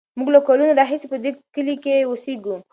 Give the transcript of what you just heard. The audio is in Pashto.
موږ له کلونو راهیسې په دې کلي کې اوسېږو.